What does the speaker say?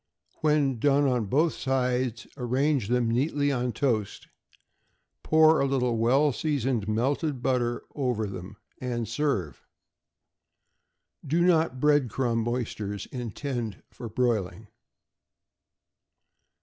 When done on both sides, arrange them neatly on toast; pour a little well seasoned melted butter over them, and serve. Do not bread crumb oysters intend for broiling.